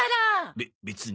べ別に。